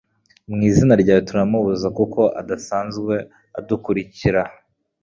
mu izina ryawe turamubuza kuko adasanzwe adukurikira. »